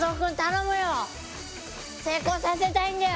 成功させたいんだよ。